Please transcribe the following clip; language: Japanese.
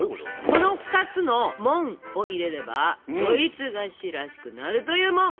この２つの「モン」を入れればドイツ菓子らしくなるというモン。